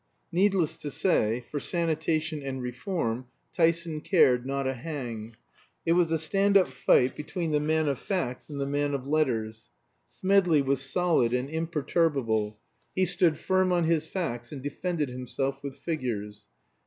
Needless to say, for sanitation and reform Tyson cared not a hang. It was a stand up fight between the man of facts and the man of letters. Smedley was solid and imperturbable; he stood firm on his facts, and defended himself with figures.